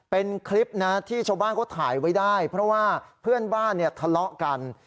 เป็นคลิปนะที่ชาวบ้านเขาถ่ายไว้ได้เพราะว่าเพื่อนบ้านเนี่ยทะเลาะกัน